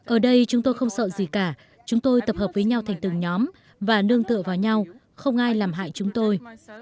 ở đây chúng tôi không sợ gì cả chúng tôi tập hợp với nhau thành từng nhóm và nương tựa vào nhau không ai làm hại chúng tôi